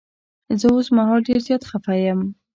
زه اوس مهال ډير زيات خفه یم.